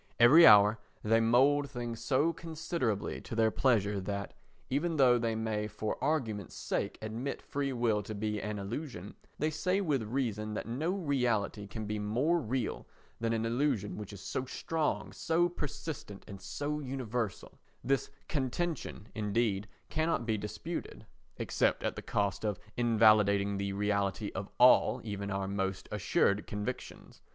Every hour they mould things so considerably to their pleasure that, even though they may for argument's sake admit free will to be an illusion, they say with reason that no reality can be more real than an illusion which is so strong, so persistent and so universal; this contention, indeed, cannot be disputed except at the cost of invalidating the reality of all even our most assured convictions.